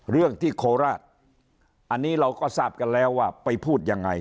เรื่องที่โคราชอันนี้เราก็ทราบกันแล้วว่าไปพูดยังไง